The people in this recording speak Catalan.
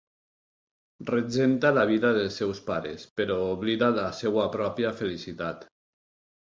Regenta la vida dels seus pares, però oblida la seva pròpia felicitat.